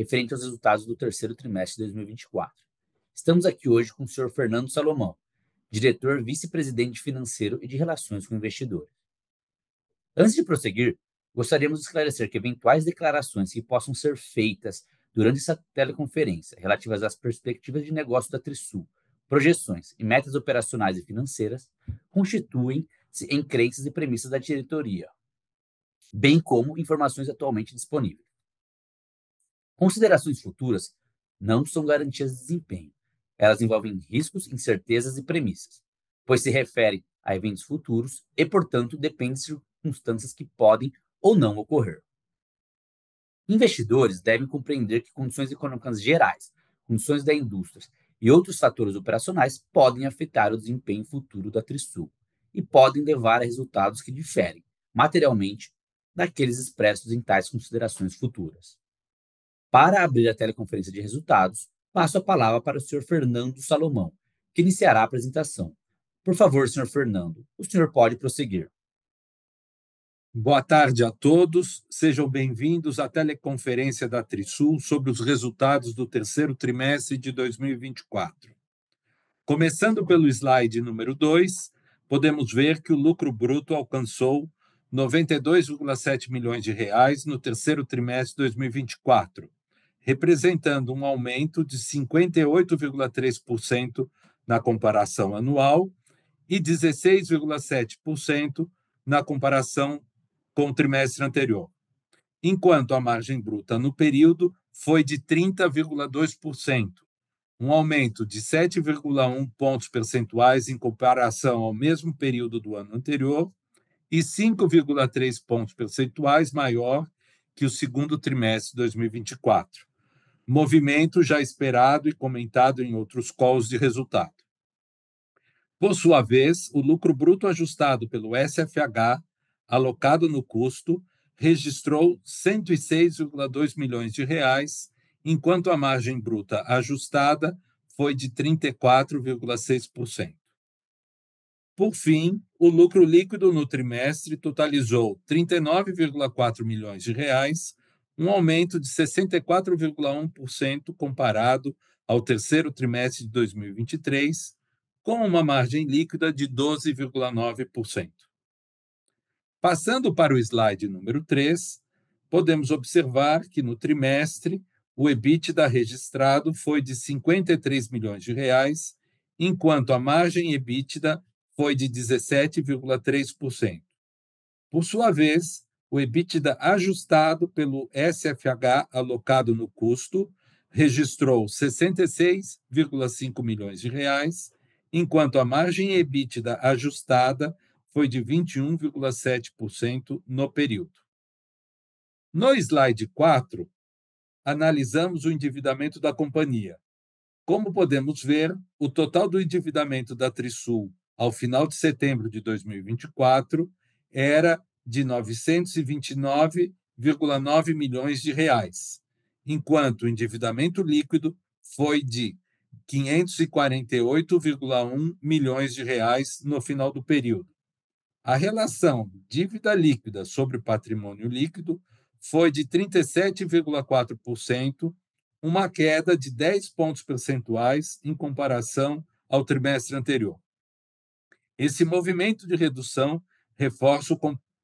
Referente aos resultados do terceiro trimestre de 2024. Estamos aqui hoje com o senhor Fernando Salomão, Diretor Vice-Presidente Financeiro e de Relações com Investidores. Antes de prosseguir, gostaríamos de esclarecer que eventuais declarações que possam ser feitas durante essa teleconferência relativas às perspectivas de negócios da Trisul, projeções e metas operacionais e financeiras, constituem-se em crenças e premissas da diretoria, bem como informações atualmente disponíveis. Considerações futuras não são garantias de desempenho. Elas envolvem riscos, incertezas e premissas, pois se referem a eventos futuros e, portanto, dependem de circunstâncias que podem ou não ocorrer. Investidores devem compreender que condições econômicas gerais, condições da indústria e outros fatores operacionais podem afetar o desempenho futuro da Trisul e podem levar a resultados que diferem materialmente daqueles expressos em tais considerações futuras. Para abrir a teleconferência de resultados, passo a palavra para o senhor Fernando Salomão, que iniciará a apresentação. Por favor, senhor Fernando, o senhor pode prosseguir. Boa tarde a todos. Sejam bem-vindos à teleconferência da Trisul sobre os resultados do terceiro trimestre de 2024. Começando pelo slide número 2, podemos ver que o lucro bruto alcançou 92.7 milhões reais no terceiro trimestre de 2024, representando um aumento de 58.3% na comparação anual e 16.7% na comparação com o trimestre anterior, enquanto a margem bruta no período foi de 30.2%, um aumento de 7.1 pontos percentuais em comparação ao mesmo período do ano anterior e 5.3 pontos percentuais maior que o segundo trimestre de 2024, movimento já esperado e comentado em outros calls de resultado. Por sua vez, o lucro bruto ajustado pelo SFH, alocado no custo, registrou 106.2 milhões de reais, enquanto a margem bruta ajustada foi de 34.6%. O lucro líquido no trimestre totalizou 39.4 milhões de reais, um aumento de 64.1% comparado ao terceiro trimestre de 2023, com uma margem líquida de 12.9%. Passando para o slide número 3, podemos observar que no trimestre o EBITDA registrado foi de 53 milhões de reais, enquanto a margem EBITDA foi de 17.3%. Por sua vez, o EBITDA ajustado pelo SFH alocado no custo registrou BRL 66.5 milhões de reais, enquanto a margem EBITDA ajustada foi de 21.7% no período. No slide 4, analisamos o endividamento da companhia. Como podemos ver, o total do endividamento da Trisul ao final de setembro de 2024 era de 929.9 milhões de reais, enquanto o endividamento líquido foi de 548.1 milhões de reais no final do período. A relação dívida líquida sobre patrimônio líquido foi de 37.4%, uma queda de 10 percentage points em comparação ao trimestre anterior. Esse movimento de redução reforça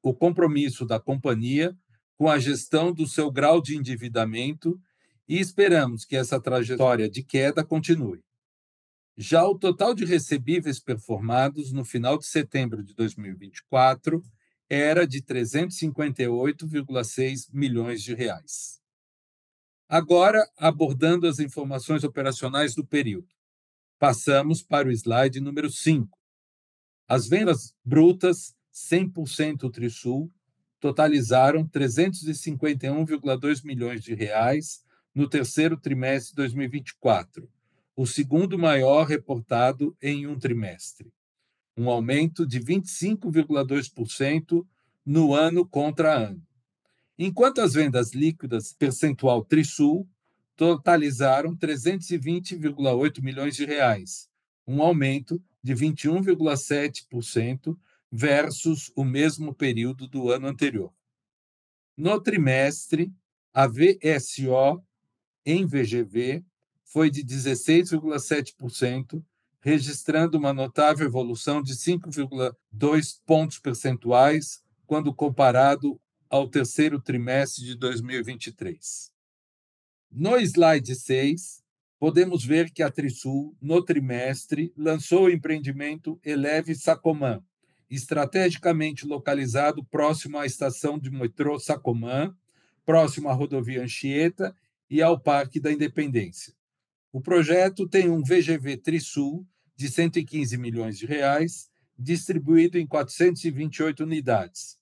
o compromisso da companhia com a gestão do seu grau de endividamento e esperamos que essa trajetória de queda continue. Já o total de recebíveis performados no final de setembro de 2024 era de 358.6 milhões de reais. Agora, abordando as informações operacionais do período. Passamos para o slide número 5. As vendas brutas, 100% Trisul, totalizaram 351.2 million reais no terceiro trimestre de 2024, o segundo maior reportado em um trimestre, um aumento de 25.2% ano a ano. As vendas líquidas da Trisul totalizaram 320.8 million reais, um aumento de 21.7% versus o mesmo período do ano anterior. No trimestre, a VSO em VGV foi de 16.7%, registrando uma notável evolução de 5.2 pontos percentuais quando comparado ao terceiro trimestre de 2023. No slide 6, podemos ver que a Trisul, no trimestre, lançou o empreendimento Eleve Parque Sacomã, estrategicamente localizado próximo à estação de metrô Sacomã, próximo à Rodovia Anchieta e ao Parque da Independência. O projeto tem um VGV Trisul de BRL 115 million, distribuído em 428 unidades.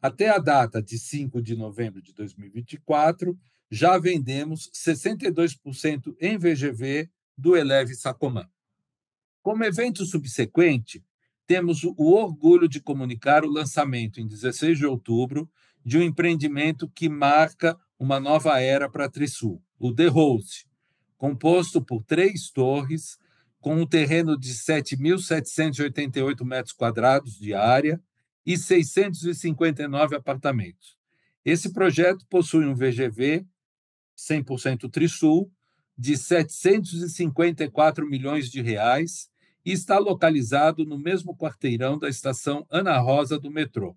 Até a data de 5 de novembro de 2024, já vendemos 62% em VGV do Eleve Parque Sacomã. Como evento subsequente, temos o orgulho de comunicar o lançamento, em 16 de outubro, de um empreendimento que marca uma nova era pra Trisul, o The House. Composto por três torres, com um terreno de 7,788 metros quadrados de área e 659 apartamentos. Esse projeto possui um VGV 100% Trisul de 754 million reais e está localizado no mesmo quarteirão da estação Ana Rosa do Metrô.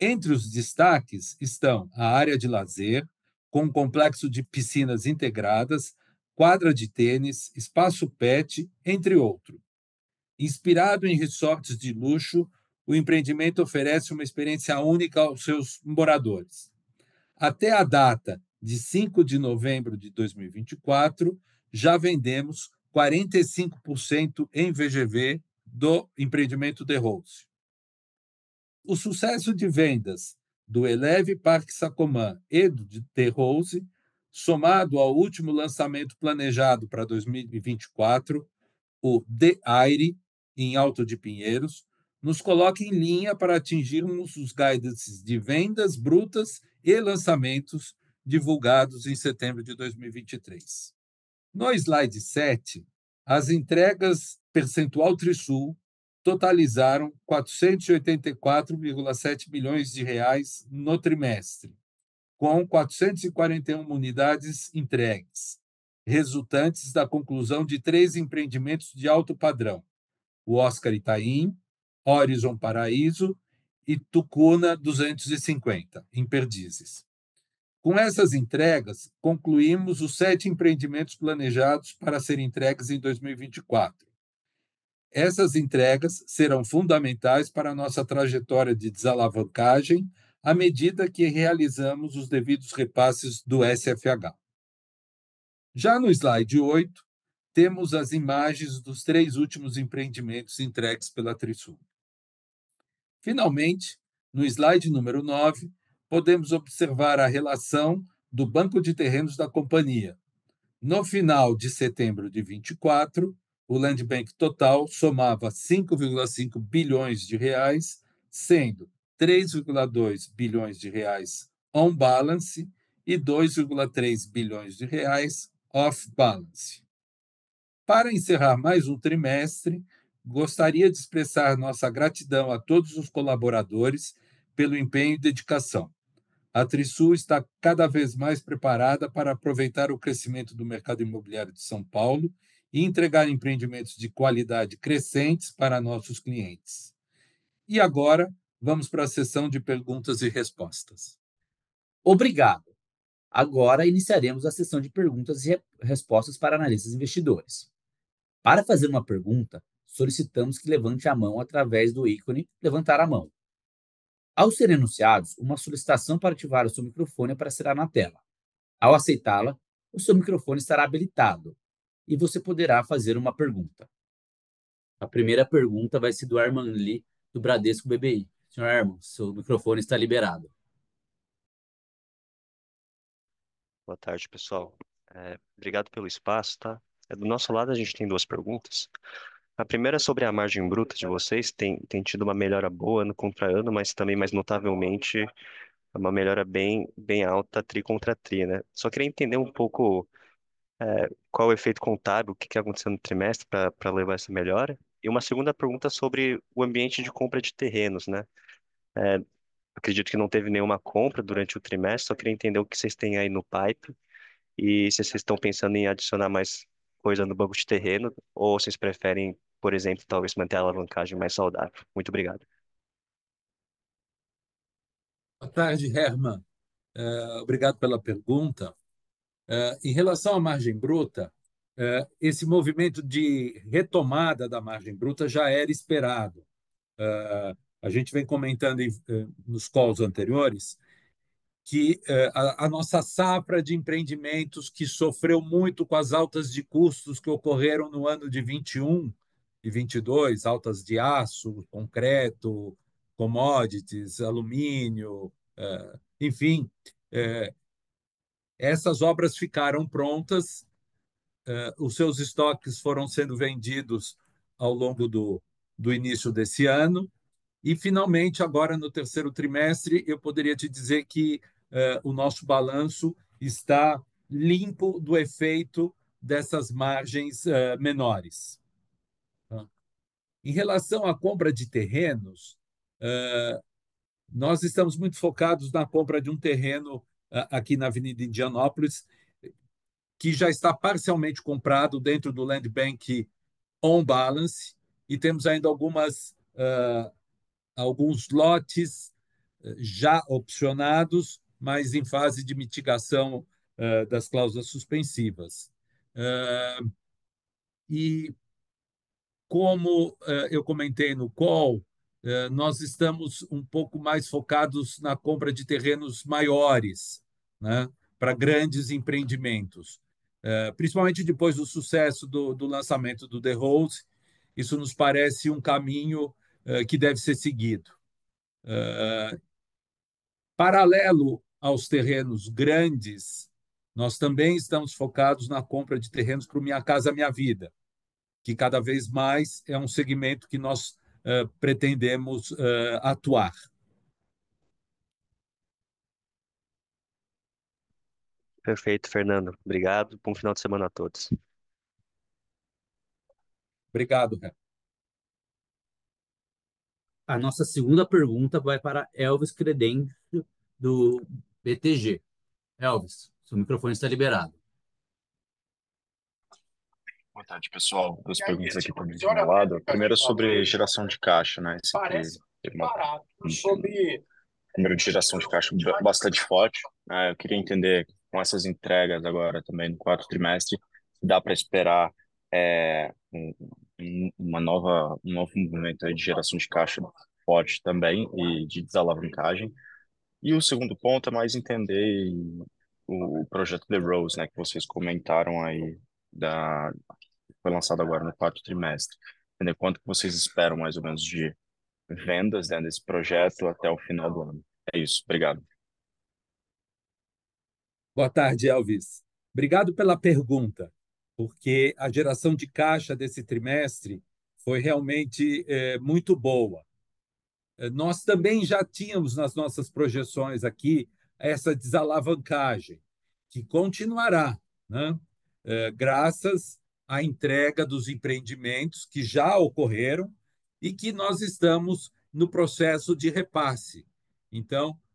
Entre os destaques estão a área de lazer, com complexo de piscinas integradas, quadra de tênis, espaço pet, entre outros. Inspirado em resorts de luxo, o empreendimento oferece uma experiência única aos seus moradores. Até a data de 11/05/2024, já vendemos 45% em VGV do empreendimento The House. O sucesso de vendas do Eleve Parque Sacomã e do The House, somado ao último lançamento planejado para 2024, o Aire Alto de Pinheiros, nos coloca em linha para atingirmos os guidances de vendas brutas e lançamentos divulgados em setembro de 2023. No slide 7, as entregas da Trisul totalizaram 484.7 million reais no trimestre, com 441 unidades entregues, resultantes da conclusão de 3 empreendimentos de alto padrão, o Oscar Itaim, Horizon Paraíso e Tucuna 250, em Perdizes. Com essas entregas, concluímos os 7 empreendimentos planejados para ser entregues em 2024. Essas entregas serão fundamentais para nossa trajetória de desalavancagem à medida que realizamos os devidos repasses do SFH. Já no slide 8, temos as imagens dos 3 últimos empreendimentos entregues pela Trisul. Finalmente, no slide number 9, podemos observar a relação do banco de terrenos da companhia. No final de setembro de 2024, o Land Bank total somava 5.5 billion reais, sendo 3.2 billion reais on balance e 2.3 billion reais off balance. Para encerrar mais um trimestre, gostaria de expressar nossa gratidão a todos os colaboradores pelo empenho e dedicação. A Trisul está cada vez mais preparada para aproveitar o crescimento do mercado imobiliário de São Paulo e entregar empreendimentos de qualidade crescentes para nossos clientes. Agora vamos pra sessão de perguntas e respostas. Obrigado. Agora iniciaremos a sessão de perguntas e respostas para analistas e investidores. Para fazer uma pergunta, solicitamos que levante a mão através do ícone "levantar a mão". Ao ser anunciado, uma solicitação para ativar o seu microfone aparecerá na tela. Ao aceitá-la, o seu microfone estará habilitado e você poderá fazer uma pergunta. A primeira pergunta vai ser do Herman Lee, do Bradesco BBI. Senhor Herman, seu microfone está liberado. Boa tarde, pessoal. Obrigado pelo espaço, tá? Do nosso lado, a gente tem duas perguntas. A primeira é sobre a margem bruta de vocês. Tem tido uma melhora boa ano contra ano, mas também mais notavelmente, uma melhora bem alta tri contra tri, né? Só queria entender um pouco, qual o efeito contábil, o que que aconteceu no trimestre pra levar essa melhora. Uma segunda pergunta sobre o ambiente de compra de terrenos, né? Acredito que não teve nenhuma compra durante o trimestre, só queria entender o que cês têm aí no pipe e se cês tão pensando em adicionar mais coisa no banco de terreno ou cês preferem, por exemplo, talvez manter a alavancagem mais saudável. Muito obrigado. Boa tarde, Herman. Obrigado pela pergunta. Em relação à margem bruta, esse movimento de retomada da margem bruta já era esperado. A gente vem comentando nos calls anteriores que, a nossa safra de empreendimentos, que sofreu muito com as altas de custos que ocorreram no ano de 2021 e 2022, altas de aço, concreto, commodities, alumínio, enfim, essas obras ficaram prontas, os seus estoques foram sendo vendidos ao longo do início desse ano e finalmente, agora no terceiro trimestre, eu poderia te dizer que, o nosso balanço está limpo do efeito dessas margens, menores, tá? Em relação à compra de terrenos, nós estamos muito focados na compra de um terreno aqui na Avenida Indianópolis, que já está parcialmente comprado dentro do Land Bank on balance, e temos ainda alguns lotes já opcionados, mas em fase de mitigação das cláusulas suspensivas. Como eu comentei no call, nós estamos um pouco mais focados na compra de terrenos maiores, né, para grandes empreendimentos, principalmente depois do sucesso do lançamento do The House, isso nos parece um caminho que deve ser seguido. Paralelo aos terrenos grandes, nós também estamos focados na compra de terrenos pro Minha Casa, Minha Vida, que cada vez mais é um segmento que nós pretendemos atuar. Perfeito, Fernando. Obrigado. Bom final de semana a todos. Obrigado, Herman Lee. A nossa segunda pergunta vai para Elvis Credendio do BTG. Elvis, seu microfone está liberado. Boa tarde, pessoal. Duas perguntas aqui pra mim do meu lado. A primeira sobre geração de caixa, né? Esse número de geração de caixa bastante forte. Eu queria entender com essas entregas agora também no quarto trimestre, se dá pra esperar um novo movimento aí de geração de caixa forte também e de desalavancagem. O segundo ponto é mais entender o projeto The Rose, né, que vocês comentaram aí que foi lançado agora no quarto trimestre. Entender quanto que vocês esperam mais ou menos de vendas, né, desse projeto até o final do ano. É isso. Obrigado. Boa tarde, Elvis. Obrigado pela pergunta, porque a geração de caixa desse trimestre foi realmente muito boa. Nós também já tínhamos nas nossas projeções aqui essa desalavancagem, que continuará, graças à entrega dos empreendimentos que já ocorreram e que nós estamos no processo de repasse.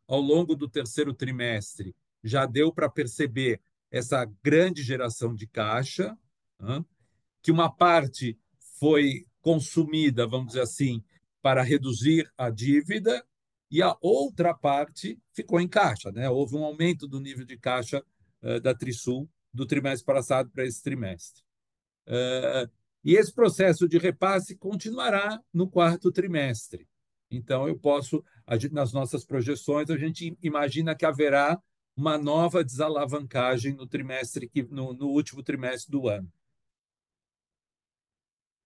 Ao longo do terceiro trimestre, já deu pra perceber essa grande geração de caixa, que uma parte foi consumida, vamos dizer assim, para reduzir a dívida e a outra parte ficou em caixa, né? Houve um aumento do nível de caixa da Trisul do trimestre passado pra esse trimestre. Esse processo de repasse continuará no quarto trimestre. Nas nossas projeções, a gente imagina que haverá uma nova desalavancagem no último trimestre do ano.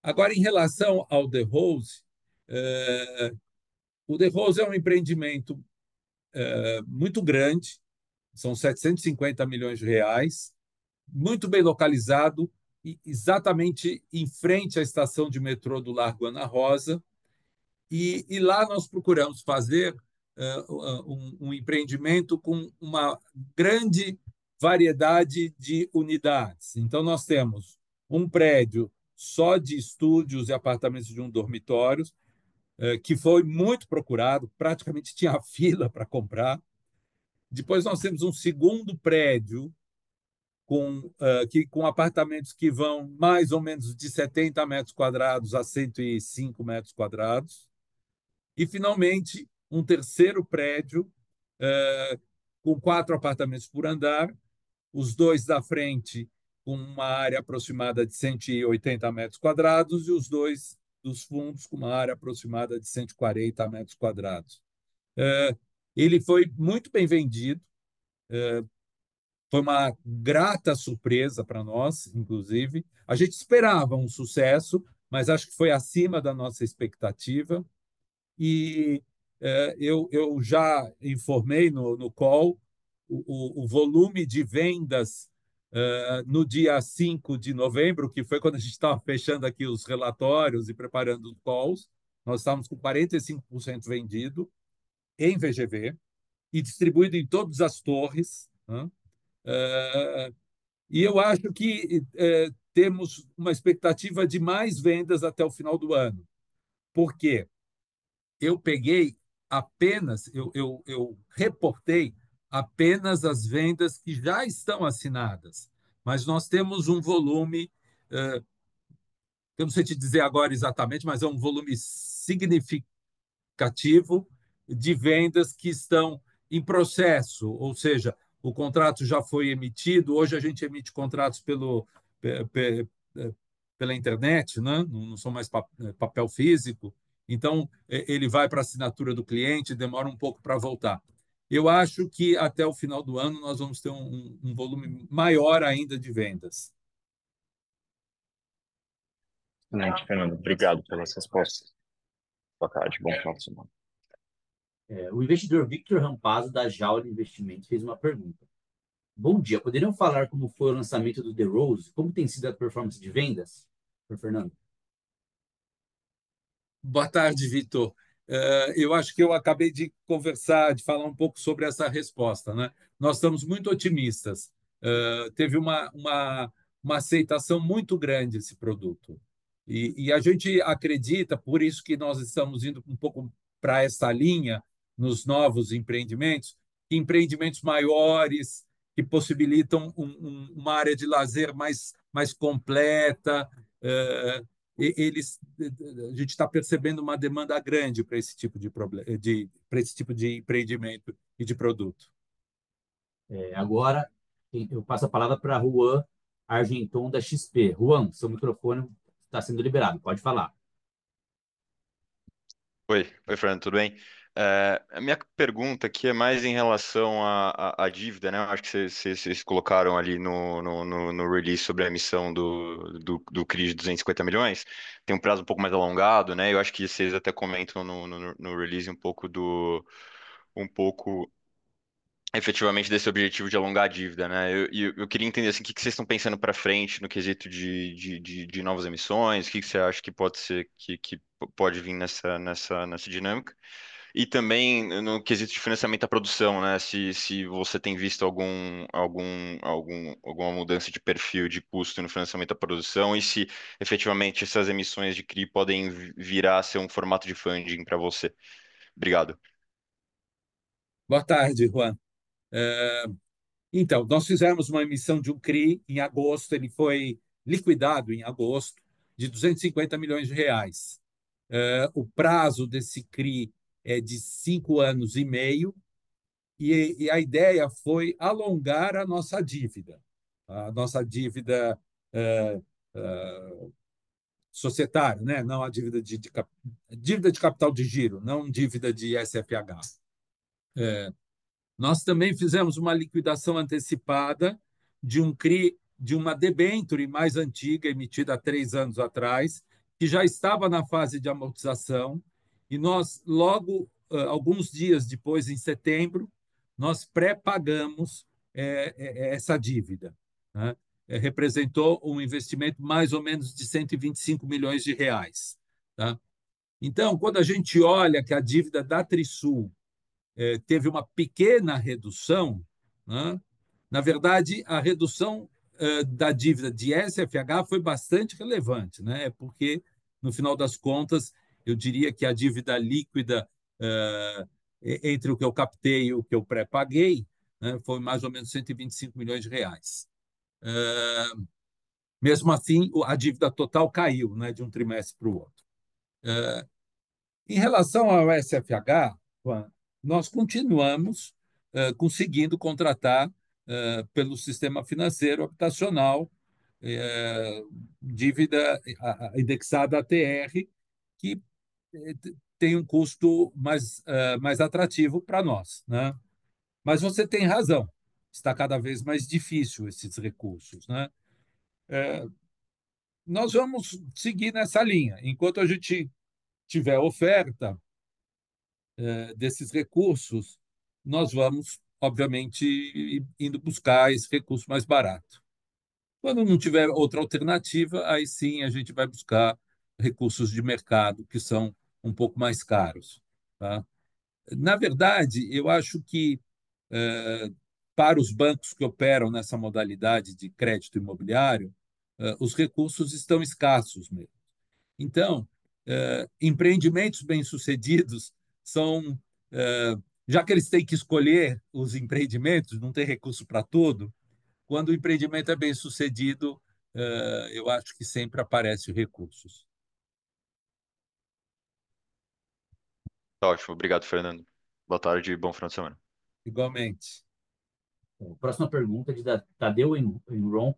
Agora, em relação ao The Rose, o The Rose é um empreendimento muito grande. São 750 million reais, muito bem localizado e exatamente em frente à estação de metrô do Largo Ana Rosa. Lá nós procuramos fazer um empreendimento com uma grande variedade de unidades. Nós temos um prédio só de estúdios e apartamentos de um dormitório, que foi muito procurado, praticamente tinha fila pra comprar. Depois nós temos um segundo prédio com apartamentos que vão mais ou menos de 70-105 metros quadrados. Finalmente, um terceiro prédio com 4 apartamentos por andar, os dois da frente com uma área aproximada de 180 metros quadrados e os dois dos fundos com uma área aproximada de 140 metros quadrados. Ele foi muito bem vendido. Foi uma grata surpresa pra nós, inclusive. A gente esperava um sucesso, mas acho que foi acima da nossa expectativa. Eu já informei no call o volume de vendas no dia 5 de novembro, que foi quando a gente tava fechando aqui os relatórios e preparando os calls, nós estávamos com 45% vendido em VGV e distribuído em todas as torres. Eu acho que temos uma expectativa de mais vendas até o final do ano. Por quê? Eu peguei apenas, eu reportei apenas as vendas que já estão assinadas, mas nós temos um volume, eu não sei te dizer agora exatamente, mas é um volume significativo de vendas que estão em processo, ou seja, o contrato já foi emitido. Hoje a gente emite contratos pela internet, né? Não são mais papel físico, então ele vai pra assinatura do cliente, demora um pouco pra voltar. Eu acho que até o final do ano nós vamos ter um volume maior ainda de vendas. Excelente, Fernando. Obrigado pelas respostas. Boa tarde, bom final de semana. O investidor Victor Rampazzo, da Jalli Investimentos, fez uma pergunta: "Bom dia, poderiam falar como foi o lançamento do The Rose? Como tem sido a performance de vendas?" Para Fernando Salomão. Boa tarde, Victor. Eu acho que eu acabei de conversar, de falar um pouco sobre essa resposta, né? Nós estamos muito otimistas. Teve uma aceitação muito grande esse produto. A gente acredita, por isso que nós estamos indo um pouco pra essa linha nos novos empreendimentos maiores, que possibilitam uma área de lazer mais completa. A gente tá percebendo uma demanda grande pra esse tipo de empreendimento e de produto. Agora eu passo a palavra pra Ruan Argenton da XP. Ruan, seu microfone está sendo liberado. Pode falar. Oi. Oi, Fernando, tudo bem? A minha pergunta aqui é mais em relação à dívida, né? Acho que cês colocaram ali no release sobre a emissão do CRI de 250 million. Tem um prazo um pouco mais alongado, né? Eu acho que cês até comentam no release um pouco efetivamente desse objetivo de alongar a dívida, né? E eu queria entender, assim, o que que cês tão pensando pra frente no quesito de novas emissões, o que que cê acha que pode ser, que pode vir nessa dinâmica. E também no quesito de financiamento à produção, né, se você tem visto alguma mudança de perfil de custo no financiamento da produção e se efetivamente essas emissões de CRI podem vir a ser um formato de funding pra você. Obrigado. Boa tarde, Ruan. Então, nós fizemos uma emissão de um CRI em agosto, ele foi liquidado em agosto, de 250 milhões de reais. O prazo desse CRI é de 5 anos e meio, e a ideia foi alongar a nossa dívida, societária, né, não a dívida de capital de giro, não dívida de SFH. Nós também fizemos uma liquidação antecipada de um CRI, de uma debênture mais antiga, emitida há 3 anos atrás, que já estava na fase de amortização, e nós, logo, alguns dias depois, em setembro, nós pré-pagamos essa dívida, né. Representou um investimento mais ou menos de 125 milhões de reais, tá? Quando a gente olha que a dívida da Trisul teve uma pequena redução, na verdade, a redução da dívida de SFH foi bastante relevante, porque, no final das contas, eu diria que a dívida líquida entre o que eu captei e o que eu pré-paguei foi mais ou menos 125 million reais. Mesmo assim, a dívida total caiu de um trimestre pro outro. Em relação ao SFH, Ruan, nós continuamos conseguindo contratar pelo sistema financeiro habitacional, dívida indexada à TR, que tem um custo mais atrativo pra nós. Mas você tem razão, está cada vez mais difícil esses recursos. Nós vamos seguir nessa linha. Enquanto a gente tiver oferta desses recursos, nós vamos, obviamente, indo buscar esse recurso mais barato. Quando não tiver outra alternativa, aí, sim, a gente vai buscar recursos de mercado que são um pouco mais caros, tá? Na verdade, eu acho que, para os bancos que operam nessa modalidade de crédito imobiliário, os recursos estão escassos mesmo. Então, empreendimentos bem-sucedidos são, já que eles têm que escolher os empreendimentos, não têm recurso pra tudo, quando o empreendimento é bem-sucedido, eu acho que sempre aparece recursos. Tá ótimo. Obrigado, Fernando. Boa tarde e bom final de semana. Igualmente. Próxima pergunta de Tadeu Cendron,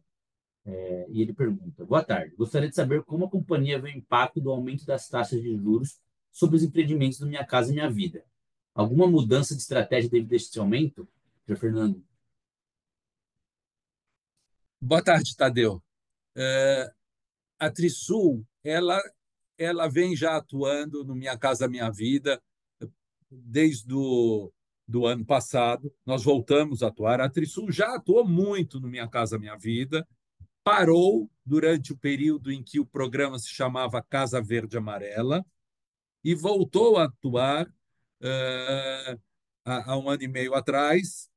e ele pergunta: "Boa tarde. Gostaria de saber como a companhia vê o impacto do aumento das taxas de juros sobre os empreendimentos do Minha Casa, Minha Vida. Alguma mudança de estratégia devido a esse aumento?", pra Fernando. Boa tarde, Tadeu. A Trisul, ela vem já atuando no Minha Casa, Minha Vida desde do ano passado. Nós voltamos a atuar. A Trisul já atuou muito no Minha Casa, Minha Vida, parou durante o período em que o programa se chamava Casa Verde e Amarela e voltou a atuar, há um ano e meio atrás,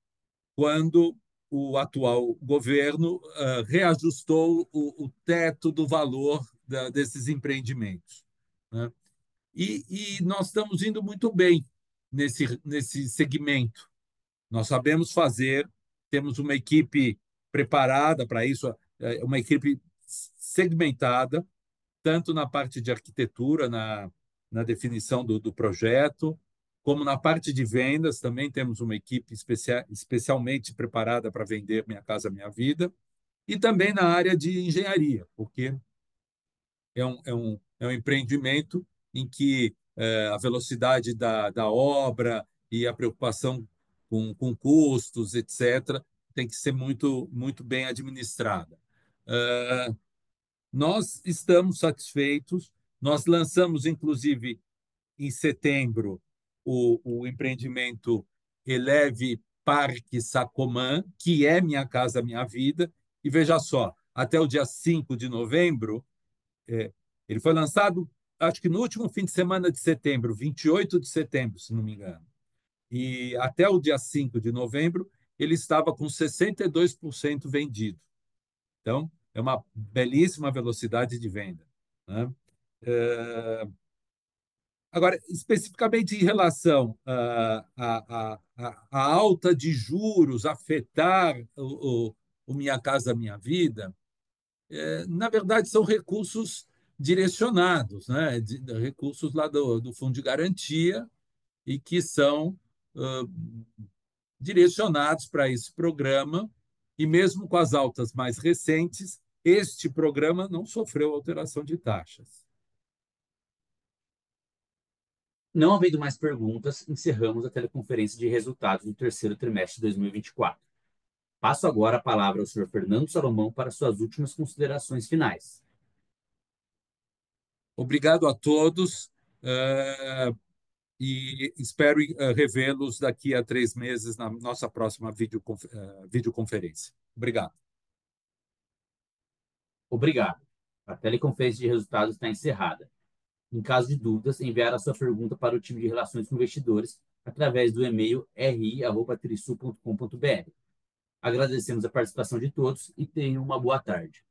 quando o atual governo reajustou o teto do valor desses empreendimentos, né. Nós estamos indo muito bem nesse segmento. Nós sabemos fazer, temos uma equipe preparada pra isso, uma equipe segmentada, tanto na parte de arquitetura, na definição do projeto, como na parte de vendas, também temos uma equipe especialmente preparada pra vender Minha Casa, Minha Vida, e também na área de engenharia, porque é um empreendimento em que a velocidade da obra e a preocupação com custos, etc, tem que ser muito bem administrada. Nós estamos satisfeitos. Nós lançamos, inclusive, em setembro, o empreendimento Eleve Parque Sacomã, que é Minha Casa, Minha Vida. Veja só, até o dia 5 de novembro, ele foi lançado, acho que no último fim de semana de setembro, 28 de setembro, se não me engano. Até o dia 5 de novembro, ele estava com 62% vendido. É uma belíssima velocidade de venda, né. Agora, especificamente em relação à alta de juros afetar o Minha Casa, Minha Vida, é, na verdade, são recursos direcionados, né, de recursos lá do fundo de garantia e que são direcionados pra esse programa e mesmo com as altas mais recentes, este programa não sofreu alteração de taxas. Não havendo mais perguntas, encerramos a teleconferência de resultados do terceiro trimestre de 2024. Passo agora a palavra ao senhor Fernando Salomão para suas últimas considerações finais. Obrigado a todos, e espero revê-los daqui a 3 meses na nossa próxima videoconferência. Obrigado. Obrigado. A teleconferência de resultados está encerrada. Em caso de dúvidas, enviar a sua pergunta para o time de relações com investidores através do e-mail ri@trisul-sa.com.br. Agradecemos a participação de todos e tenham uma boa tarde.